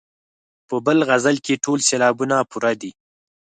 په بل غزل کې ټول سېلابونه پوره دي.